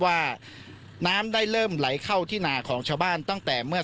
ว่าน้ำได้เริ่มไหลเข้าที่หนาของชาวบ้านตั้งแต่เมื่อ